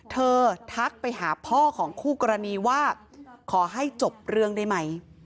ทักไปหาพ่อของคู่กรณีว่าขอให้จบเรื่องได้ไหม